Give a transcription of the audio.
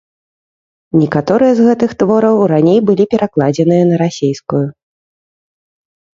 Некаторыя з гэтых твораў раней былі перакладзеныя на расейскую.